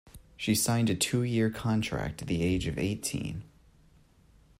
She signed a two-year contract at the age of eighteen.